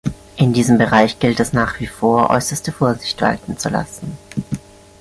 In diesem Bereich gilt es nach wie vor, äußerste Vorsicht walten zu lassen.